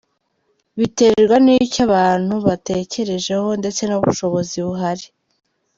Biterwa n’icyo abantu batekerejeho ndetse n’ubushobozi buhari.